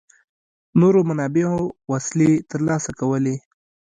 نورو منابعو وسلې ترلاسه کولې.